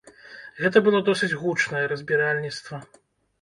Гэта было досыць гучнае разбіральніцтва.